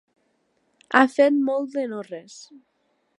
Ha fet molt de no res.